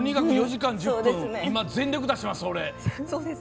４時間１０分全力出します。